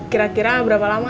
kira kira berapa lama